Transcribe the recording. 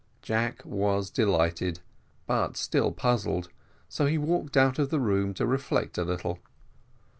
Jack was delighted, but still puzzled, so he walked out of the room to reflect a little.